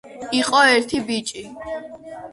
იყო ერთი ბიჭი